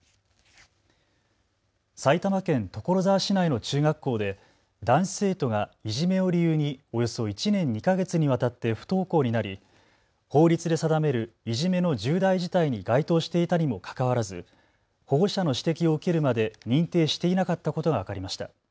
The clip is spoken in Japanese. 埼玉県所沢市内の中学校で男子生徒がいじめを理由におよそ１年２か月にわたって不登校になり法律で定めるいじめの重大事態に該当していたにもかかわらず保護者の指摘を受けるまで認定していなかったことが分かりました。